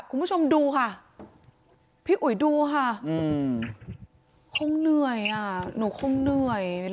คุณผู้ชมดูค่ะพี่อุ๋ยดูค่ะคงเหนื่อยอ่ะหนูคงเหนื่อย